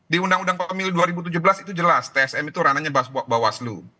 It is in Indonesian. di undang undang pemilu dua ribu tujuh belas itu jelas tsm itu ranahnya bawaslu